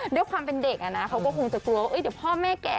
ด้วยความเป็นเด็กเขาก็คงจะกลัวว่าเดี๋ยวพ่อแม่แก่